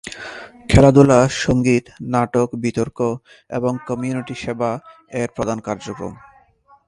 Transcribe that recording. খেলাধুলা, সঙ্গীত, নাটক, বিতর্ক এবং কমিউনিটি সেবা এর প্রধান কার্যক্রম।